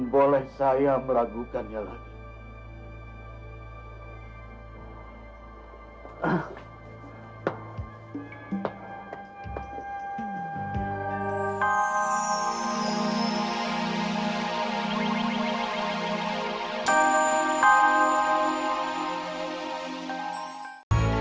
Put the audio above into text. boleh saya meragukannya lagi